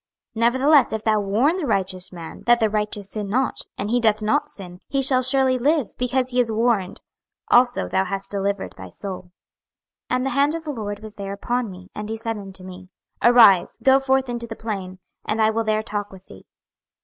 26:003:021 Nevertheless if thou warn the righteous man, that the righteous sin not, and he doth not sin, he shall surely live, because he is warned; also thou hast delivered thy soul. 26:003:022 And the hand of the LORD was there upon me; and he said unto me, Arise, go forth into the plain, and I will there talk with thee.